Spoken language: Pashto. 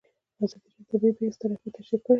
ازادي راډیو د طبیعي پېښې ستر اهميت تشریح کړی.